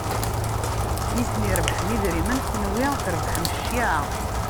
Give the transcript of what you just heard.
Nitni rebḥen idrimen, kenwi trebḥem cciɛa.